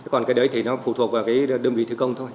còn cái đấy thì nó phụ thuộc vào đơn vị thi công thôi